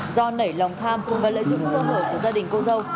do nảy lòng tham và lợi dụng sâu nổi của gia đình cô dâu